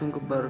ya ya siap